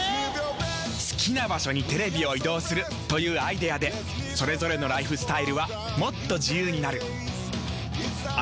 好きな場所にテレビを移動するというアイデアでそれぞれのライフスタイルはもっと自由になる。